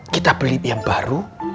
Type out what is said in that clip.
kita beli yang baru